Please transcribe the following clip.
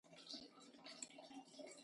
په ویبسایټونو کې مې معلومات لټول.